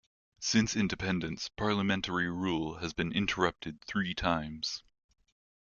Since independence, Parliamentary rule has been interrupted three times.